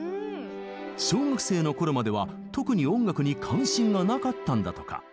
小学生のころまでは特に音楽に関心がなかったんだとか。